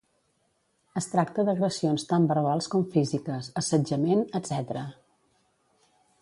Es tracta d'agressions tant verbals com físiques, assetjament, etc.